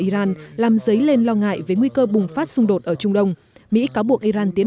iran làm dấy lên lo ngại về nguy cơ bùng phát xung đột ở trung đông mỹ cáo buộc iran tiến